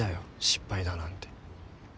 失敗だなんて。